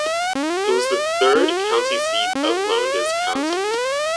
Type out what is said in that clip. It was the third county seat of Lowndes County.